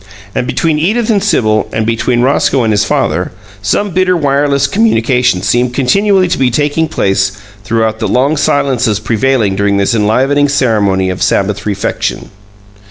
And between Edith and Sibyl, and between Roscoe and his father, some bitter wireless communication seemed continually to be taking place throughout the long silences prevailing during this enlivening ceremony of Sabbath refection.